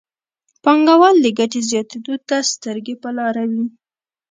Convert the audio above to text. پانګوال د ګټې زیاتېدو ته سترګې په لاره وي.